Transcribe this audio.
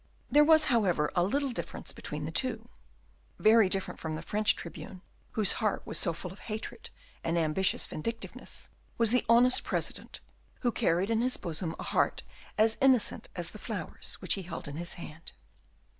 There was, however, a little difference between the two; very different from the French tribune, whose heart was so full of hatred and ambitious vindictiveness, was the honest President, who carried in his bosom a heart as innocent as the flowers which he held in his hand.